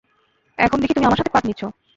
এখন দেখি তুমি আমার সাথে পাট নিচ্ছ?